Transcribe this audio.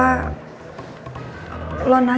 gak bisa tidur